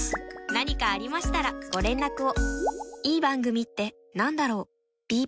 何かありましたらご連絡を。